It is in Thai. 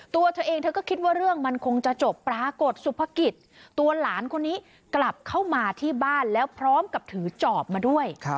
ตัวเธอเองเธอก็คิดว่าเรื่องมันคงจะจบปรากฏสุภกิจตัวหลานคนนี้กลับเข้ามาที่บ้านแล้วพร้อมกับถือจอบมาด้วย